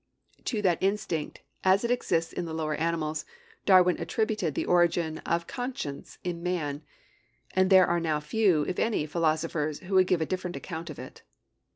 To that instinct, as it exists in the lower animals, Darwin attributed the origin of conscience in man; and there are now few, if any, philosophers who would give a different account of it.